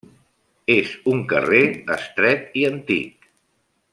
És un carrer estret i antic.